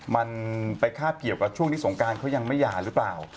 มันไปคาบเกี่ยวกับช่วงที่สงการเขายังไม่หย่าหรือเปล่า